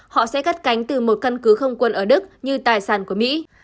họ sẽ cắt cánh từ một căn cứ không quân ở đức như tài sản của mỹ